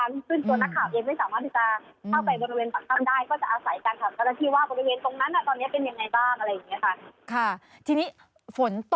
อันนี้ที่เจ้าหน้าที่ออกมาแล้วให้ฟัง